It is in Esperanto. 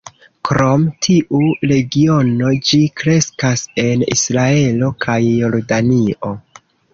Krom tiu regiono, ĝi kreskas en Israelo kaj Jordanio.